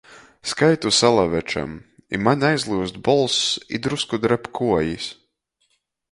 Skaitu Salavečam, i maņ aizlyust bolss i drusku dreb kuojis.